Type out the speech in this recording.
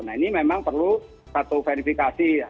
nah ini memang perlu satu verifikasi ya